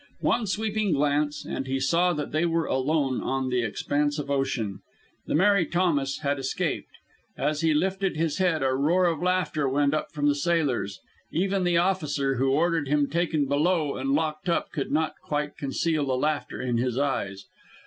One sweeping glance, and he saw that they were alone on the expanse of ocean. The Mary Thomas had escaped. As he lifted his head, a roar of laughter went up from the sailors. Even the officer, who ordered him taken below and locked up, could not quite conceal the laughter in his eyes.